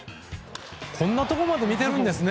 こんなところまで見てるんですね